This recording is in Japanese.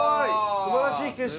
すばらしい景色。